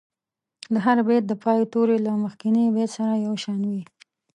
د هر بیت د پای توري له مخکني بیت سره یو شان وي.